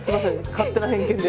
勝手な偏見で。